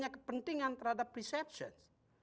kepentingan terhadap perception